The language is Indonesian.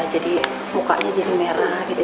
jadi mukanya jadi merah